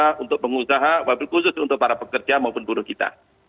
kita untuk pengusaha wabil khusus untuk para pekerja maupun buruh kita